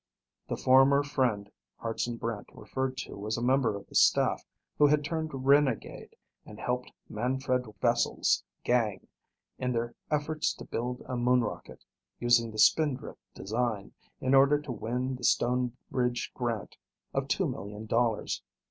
The "former friend" Hartson Brant referred to was a member of the staff who had turned renegade and helped Manfred Wessel's gang in their efforts to build a moon rocket, using the Spindrift design, in order to win the Stoneridge Grant of two million dollars.